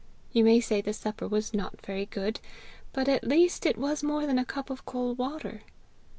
You may say the supper was not very good, but at least it was more than a cup of cold water!'